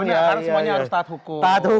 karena semuanya harus taat hukum